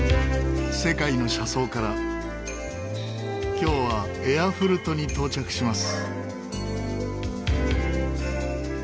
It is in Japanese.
今日はエアフルトに到着します。